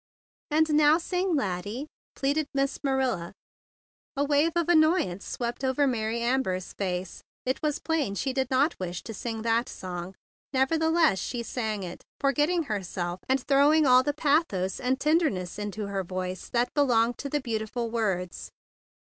"And now sing 'Laddie,' " pleaded Miss Marilla. A wave of annoyance swept over Mary Amber's face. It was plain she did not wish to sing that song. Never¬ theless, she sang it, forgetting herself and throwing all the pathos and ten¬ derness into her voice that belonged to the beautiful words.